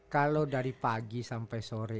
kalau dari pagi sampai sore